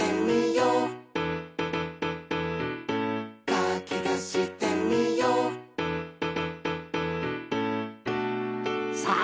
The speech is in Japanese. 「かきたしてみよう」さあ！